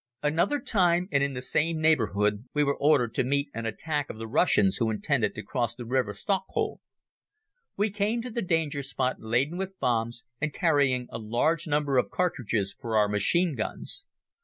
Another time and in the same neighborhood we were ordered to meet an attack of the Russians who intended to cross the river Stokhod. We came to the danger spot laden with bombs and carrying a large number of cartridges for our machine guns.